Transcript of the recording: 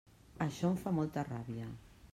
Això em fa molta ràbia.